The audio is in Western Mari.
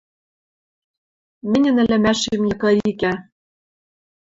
— Мӹньӹн ӹлӹмӓшем йыкырикӓ.